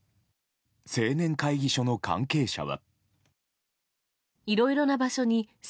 青年会議所の関係者は。